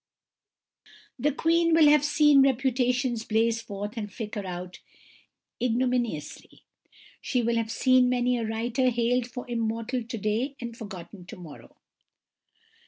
The Queen will have seen reputations blaze forth and flicker out ignominiously; she will have seen many a writer hailed for immortal to day and forgotten to morrow.